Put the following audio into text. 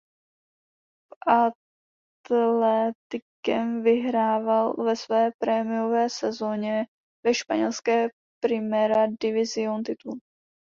S Atléticem vyhrál ve své premiérové sezoně ve španělské Primera División titul.